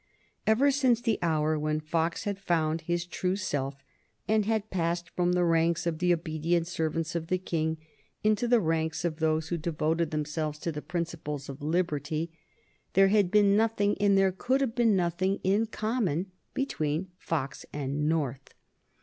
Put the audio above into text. Ever since the hour when Fox had found his true self, and had passed from the ranks of the obedient servants of the King into the ranks of those who devoted themselves to the principles of liberty, there had been nothing and there could have been nothing in common between Fox and North.